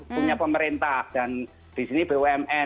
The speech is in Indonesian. punya pemerintah dan di sini bumn